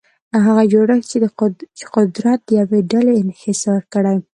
هغه جوړښت چې قدرت د یوې ډلې انحصار کړي.